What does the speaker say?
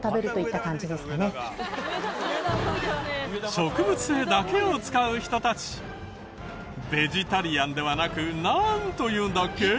植物性だけを使う人たちベジタリアンではなくなんというんだっけ？